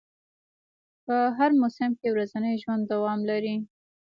په هر موسم کې ورځنی ژوند دوام لري